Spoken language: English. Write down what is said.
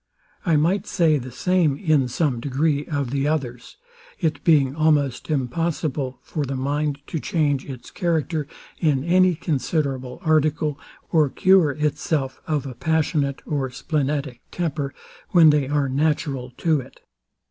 I might say the same, in some degree, of the others; it being almost impossible for the mind to change its character in any considerable article, or cure itself of a passionate or splenetic temper, when they are natural to it.